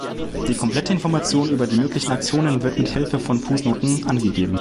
Die komplette Information über die möglichen Aktionen wird mit Hilfe von Fußnoten angegeben.